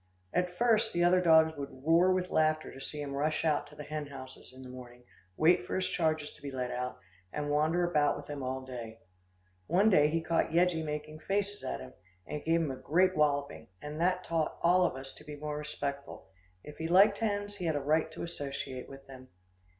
At first, the other dogs would roar with laughter to see him rush out to the hen houses in the morning, wait for his charges to be let out, and wander about with them all day. One day he caught Yeggie making faces at him, and gave him a great walloping, and that taught all of us to be more respectful. If he liked hens, he had a right to associate with them.